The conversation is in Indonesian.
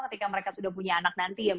ketika mereka sudah punya anak nanti ya